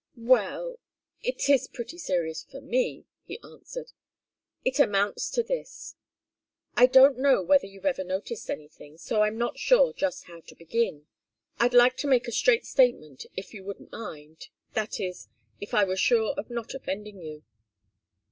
"Well it is pretty serious for me," he answered. "It amounts to this. I don't know whether you've ever noticed anything, so I'm not sure just how to begin. I'd like to make a straight statement if you wouldn't mind that is if I were sure of not offending you."